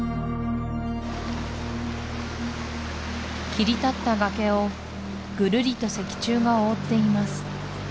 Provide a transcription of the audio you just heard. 切り立った崖をぐるりと石柱が覆っています